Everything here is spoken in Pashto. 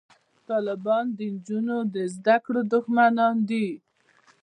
طالبان د نجونو د زده کړو دښمنان دي